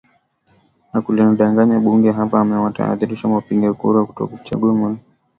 na kulidanganya bunge hapa amewatahadharisha wapiga kura kutochagua serikali ya mseto isiowajibika ipasavyo